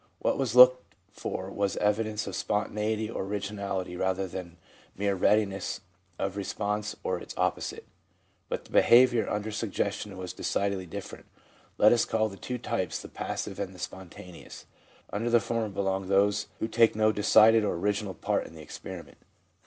.• What was looked for was evidence of spontaneity or originality rather than mere readiness of response or its opposite. ... But the behaviour under suggestion was decidedly different. Let us call the two types the passive and the spontaneous. Under the former belong those who take no decided or original part in the ex periment.